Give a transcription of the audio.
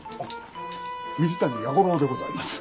水谷弥五郎でございます。